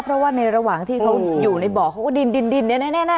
เพราะว่าในระหว่างที่เขาอยู่ในบ่อเขาก็ดิน